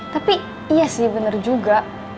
tapi iya sih bener juga